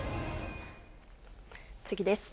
次です。